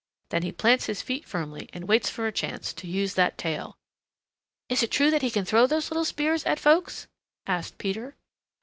Then he plants his feet firmly and waits for a chance to use that tail." "Is it true that he can throw those little spears at folks?" asked Peter.